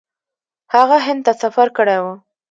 هغه هند ته سفر کړی و.